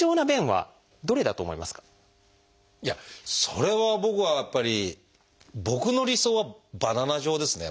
それは僕はやっぱり僕の理想は「バナナ状」ですね